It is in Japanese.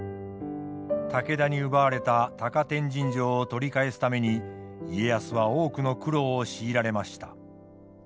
武田に奪われた高天神城を取り返すために家康は多くの苦労を強いられました。